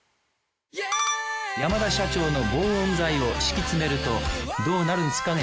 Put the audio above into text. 山田社長の防音材を敷き詰めるとどうなるんすかね？